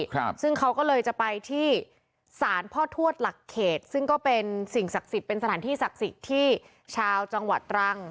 ครับซึ่งเขาก็เลยจะไปที่ศาลพ่อทวดหลักเขตซึ่งก็เป็นสิ่งศักดิ์สิทธิ์เป็นสถานที่ศักดิ์สิทธิ์ที่ชาวจังหวัดตรัง